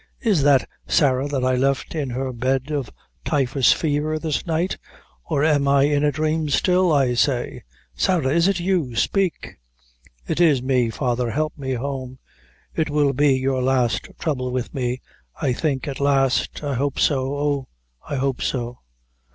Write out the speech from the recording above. Is that Sarah that I left in her bed of typhus faver this night? Or, am I in a dhrame still, I say? Sarah, is it you? Spake." "It is me, father; help me home. It will be your last throuble with me, I think at laste, I hope so oh, I hope so!"